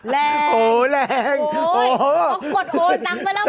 เป้าหมายมากเลย